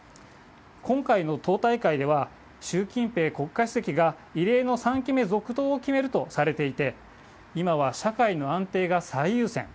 今回の党大会では、習近平国家主席が異例の３期目続投を決めるとされていて、今は社会の安定が最優先。